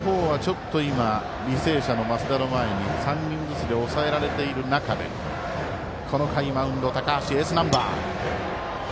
攻撃の方は、ちょっと今履正社の増田の前に３人ずつで抑えられている中でこの回、マウンド高橋エースナンバー。